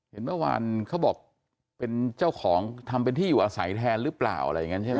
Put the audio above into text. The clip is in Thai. เห็นเมื่อวานเขาบอกเป็นเจ้าของทำเป็นที่อยู่อาศัยแทนหรือเปล่าอะไรอย่างนั้นใช่ไหม